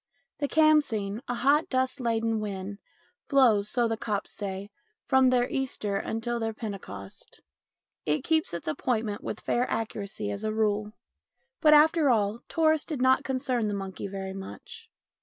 The khamseen, a hot dust laden wind, blows, so the Copts say, from their Easter until their Pentecost; it keeps its appointment with fair accuracy as a rule. But, after all, tourists did not concern the monkey very much.